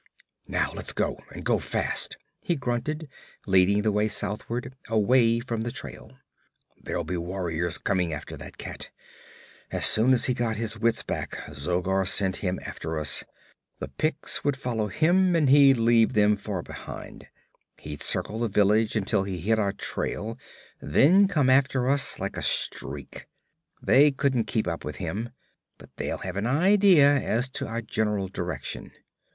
'Now let's go, and go fast!' he grunted, leading the way southward, away from the trail. 'There'll be warriors coming after that cat. As soon as he got his wits back Zogar sent him after us. The Picts would follow him, but he'd leave them far behind. He'd circle the village until he hit our trail and then come after us like a streak. They couldn't keep up with him, but they'll have an idea as to our general direction.